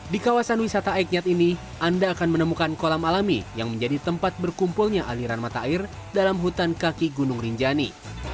di kawasan wisata aiknyat ini anda akan menemukan kolam alami yang menjadi tempat berkumpulnya aliran mata air dalam hutan kaki gunung rinjani